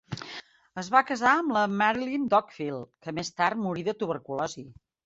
Es va casar amb la Marilyn Dockfill, que més tard morí de tuberculosi.